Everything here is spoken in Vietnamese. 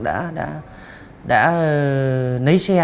đã nấy xe